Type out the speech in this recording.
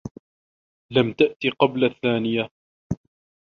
لم تأت قبل الثانية.